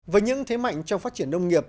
với những thế mạnh trong phát triển nông nghiệp